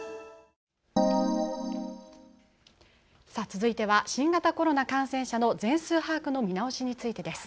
続いては新型コロナ感染者の全数把握の見直しについてです。